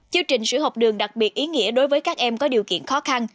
chương trình sữa học đường đặc biệt ý nghĩa đối với các em có điều kiện khó khăn